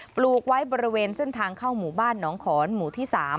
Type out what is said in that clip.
ปลูกไว้บริเวณเส้นทางเข้าหมู่บ้านหนองขอนหมู่ที่๓